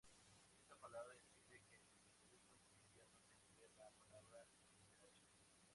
Esta palabra impide que en el uso cotidiano se emplee la palabra escrache.